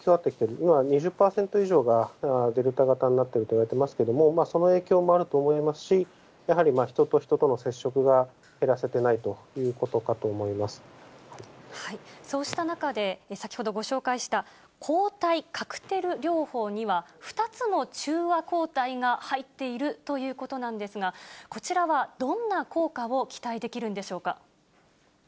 今は２０％以上がデルタ型になっていると言われていますけれども、その影響もあると思いますし、やはり人と人との接触が減らせてそうした中で、先ほどご紹介した抗体カクテル療法には２つの中和抗体が入っているということなんですが、こちらはどんな効果を期待できるんでしょうか。